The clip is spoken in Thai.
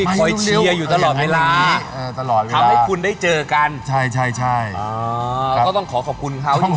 ก็ต้องขอขอบคุณเขาจริง